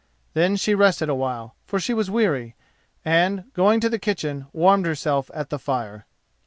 Then she rested a while, for she was weary, and, going to the kitchen, warmed herself at the fire.